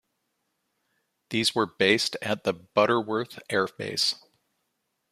These were based at the Butterworth Air Base.